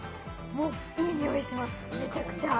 いいにおいします、めちゃくちゃ。